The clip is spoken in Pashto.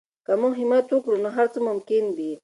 که موږ همت وکړو نو هر څه ممکن دي.